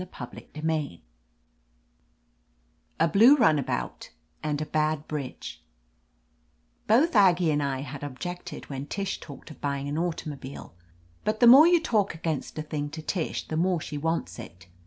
CHAPTER II A BLUE RUNABOUT AND A BAD BRIDGE BOTH Aggie and I had objected whea Tish talked of buying an automobile. But the more you talk against a thing to Tish the more she wants it.